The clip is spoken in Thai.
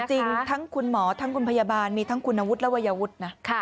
จริงทั้งคุณหมอทั้งคุณพยาบาลมีทั้งคุณวุฒิและวัยวุฒินะ